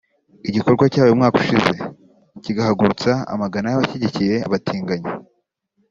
igikorwa cyabaye umwaka ushize kigahagurutsa amagana y’abashyigikiye abatinganyi